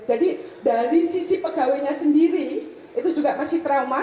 jadi dari sisi pegawainya sendiri itu juga masih trauma